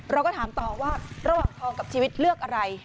เราก็ถามต่อว่าระหว่างทองกับชีวิตเลือกอะไร